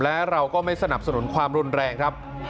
และเราก็ไม่สนับสนุนความรุนแรงครับ